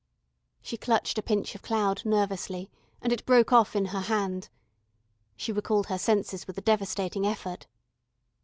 She clutched a pinch of cloud nervously, and it broke off in her hand. She recalled her senses with a devastating effort.